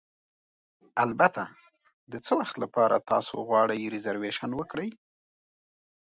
البته، د څه وخت لپاره تاسو غواړئ ریزرویشن وکړئ؟